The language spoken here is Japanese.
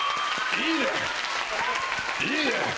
いいね！